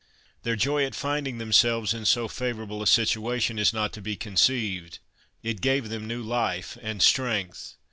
Their joy at finding themselves in so favorable a situation, is not to be conceived; it gave them new life and strength.